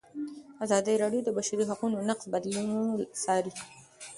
ازادي راډیو د د بشري حقونو نقض بدلونونه څارلي.